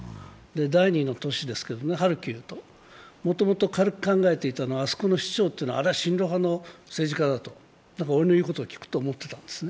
第２の都市、ハルキウと、もともと軽く考えていたのはあそこの市長というのは親ロ派の政治家だから俺の言うことは聞くと思っていたんです。